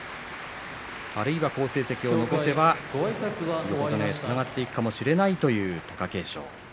あるいは好成績を残せば横綱につながっていくかもしれないという貴景勝。